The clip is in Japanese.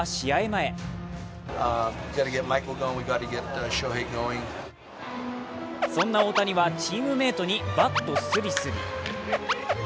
前そんな大谷はチームメートにバットすりすり。